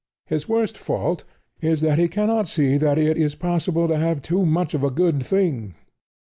His worst fault is that he cannot see that it is possible to have too much of a good thing.